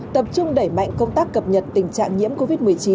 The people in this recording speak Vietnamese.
tập trung đẩy mạnh công tác cập nhật tình trạng nhiễm covid một mươi chín